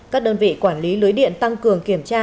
các đơn vị quản lý lưới điện tăng cường kiểm tra